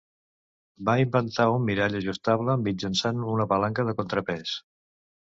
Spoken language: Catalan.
Va inventar un mirall ajustable mitjançant una palanca de contrapès.